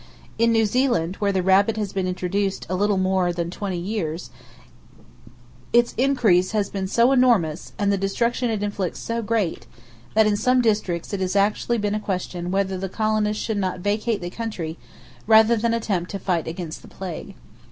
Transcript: In New Zealand, where the rabbit has been introduced little more than twenty years, its increase has been so enormous, and the destruction it inflicts so great, that in some districts it has actually been a question whether the colonists should not vacate the country rather than attempt to fight against the plague.